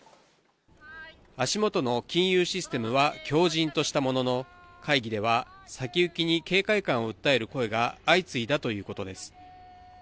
足元の金融システムは強じんとしたものの、会議では先行きに警戒感を訴える声が相次いだということです。